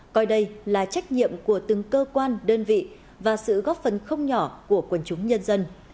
coi đây là trách nhiệm của từng cơ quan đơn vị và sự góp phần không nhỏ của quần chúng nhân dân